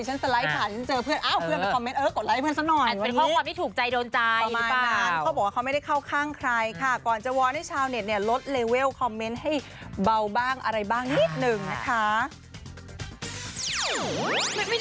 ฉันสไลค์ค่ะฉันเจอเพื่อนอ้าวเพื่อนไปคอมเมนต์